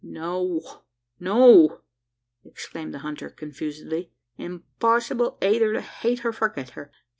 "No, no!" exclaimed the hunter confusedly. "Impossible eyther to hate or forget her.